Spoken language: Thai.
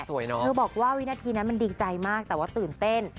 เธอบอกว่าวินาทีนั้นมันดีใจมากแต่ว่าตื่นเต้น